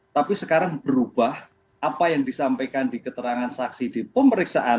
tapi sekarang berubah apa yang disampaikan di keterangan saksi di pemeriksaan